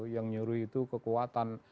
yang nyuruh itu kekuatan